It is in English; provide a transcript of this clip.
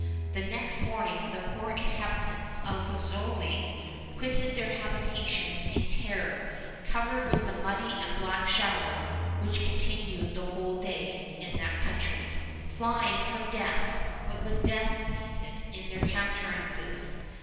The next morning the poor inhabitants of Pozzuoli quitted their habitations in terror, covered with the muddy and black shower, which continued the whole day in that country—flying from death, but with death painted in their countenances.